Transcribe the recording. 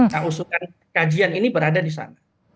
nah usulan kajian ini berada di sana